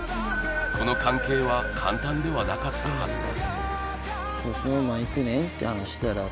この関係は簡単ではなかったはずだ